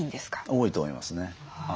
多いと思いますね。